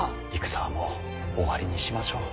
戦はもう終わりにしましょう。